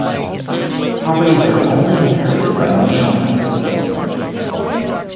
Properties are only inherited by male members of a village.